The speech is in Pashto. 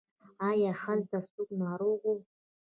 ایا هلته څوک ناروغ و؟